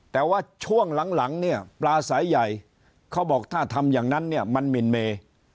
แต่ว่าช่วงหลังเนี่ยปลาสายใหญ่เขาบอกถ้าทำอย่างนั้นเนี่ยมันหมินเม